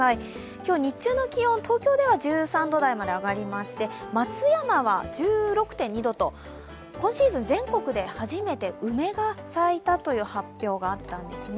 今日、日中の気温、東京では１３度台まで上がりまして松山は１６．２度と今シーズン全国で初めて梅が咲いたという発表があったんですね。